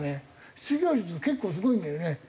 失業率結構すごいんだよね。